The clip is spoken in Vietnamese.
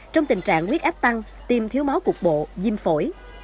trong tình trạng nguyết áp tăng tim thiếu máu cục bộ diêm phổi